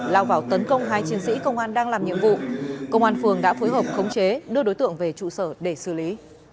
lao vào tấn công hai chiến sĩ công an đang làm nhiệm vụ công an phường đã phối hợp khống chế đưa đối tượng về trụ sở để xử lý